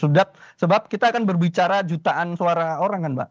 sebab kita akan berbicara jutaan suara orang kan mbak